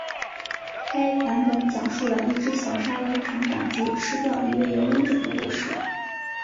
该版本讲述了一只小鲨鱼成长及吃掉一位游泳者的故事。